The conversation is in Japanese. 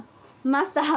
マスター。